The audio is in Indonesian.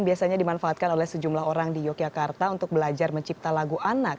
biasanya dimanfaatkan oleh sejumlah orang di yogyakarta untuk belajar mencipta lagu anak